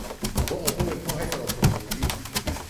หัวอกผู้เป็นพ่อให้สลดหดหู่ยิ่ง